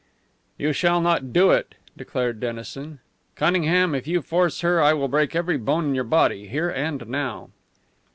"You shall not do it!" declared Dennison. "Cunningham, if you force her I will break every bone in your body here and now!"